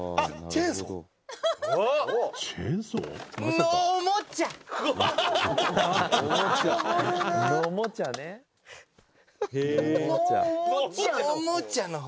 「のおもちゃの方」